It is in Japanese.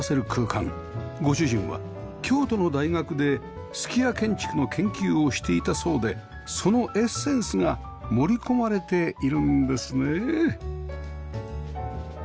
ご主人は京都の大学で数寄屋建築の研究をしていたそうでそのエッセンスが盛り込まれているんですね